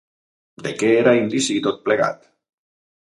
De què era indici tot plegat?